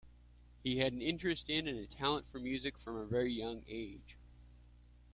He had an interest in and talent for music from a very young age.